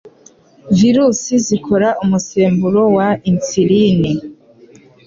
Virusi zikora umusemburo wa insuline